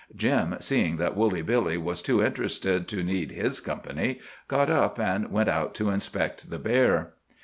Jim, seeing that Woolly Billy was too interested to need his company, got up and went out to inspect the bear.